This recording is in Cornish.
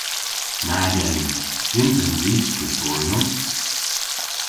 Nag ens! Nyns ens i skriforyon.